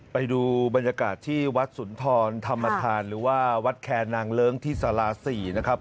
ไปดูบรรยากาศที่วัดสุนทรธรรมธานหรือว่าวัดแคนนางเลิ้งที่สารา๔นะครับ